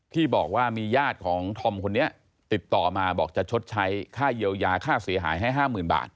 ที่บอกว่ามีญาติของธอมคนนี้ติดต่อมาบอกจะชดใช้ค่าเยียวยาค่าเสียหายให้๕๐๐๐บาท